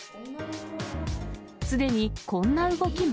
すでにこんな動きも。